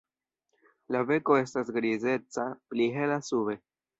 La beko estas grizeca, pli hela sube.